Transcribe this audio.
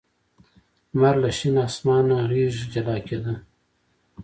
لمر له شین اسمان غېږې جلا کېده.